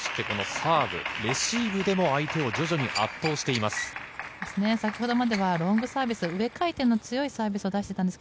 サーブ、レシーブでも相手を徐々に圧倒しています。